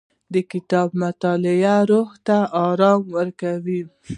د کتاب مطالعه روح ته ارام ورکوي.